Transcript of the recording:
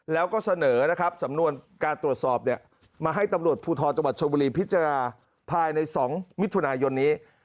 แล้วก็เสนอนะครับสำนวนการตรวจสอบมาให้ตำรวจภูทรจังหวัดชมบุรีพิจารณาภายใน๒มิถุนายนนี้